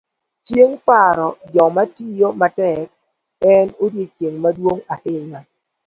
chieng' paro jok matiyo matek, en odiochieng' maduong' ahinya